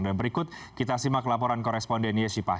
dan berikut kita simak laporan koresponden yesi pasha